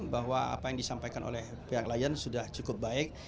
bahwa apa yang disampaikan oleh pihak lion sudah cukup baik